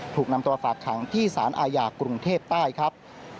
ถูกนำตัวฝากขังที่สารอาญากรุงเทพใต้ครับ